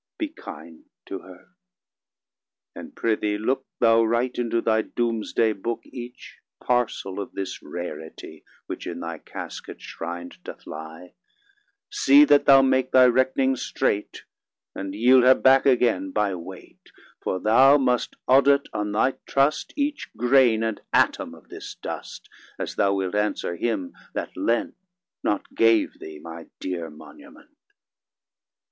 Be kind to her, and prithee look Thou write into thy Dooms day book 70 Each parcel of this rarity, Which in thy casket shrin'd doth lie: See that thou make thy reck'ning straight, And yield her back again by weight; For thou must audit on thy trust Each grain and atom of this dust, As thou wilt answer Him that lent, Not gave thee, my dear monument.